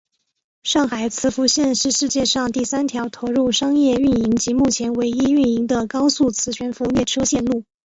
上海磁浮线是世界上第三条投入商业运营及目前唯一运营的高速磁悬浮列车线路。